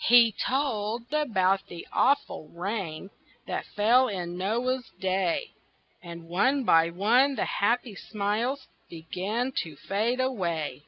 He told about the awful rain That fell in Noah's day, And one by one the happy smiles Began to fade away.